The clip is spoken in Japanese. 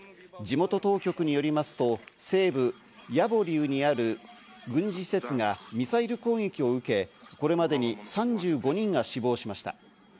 地元当局によりますと西部ヤボリブにある軍事施設がミサイル攻撃を受け、これまでに３５人が死亡しました。